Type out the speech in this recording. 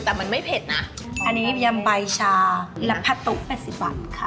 แต่มันไม่เผ็ดนะอันนี้ยำใบชาและผ้าตุ๊๘๐บาทค่ะ